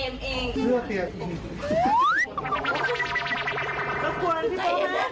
มันกลัวแล้วพี่โต๊ะแม่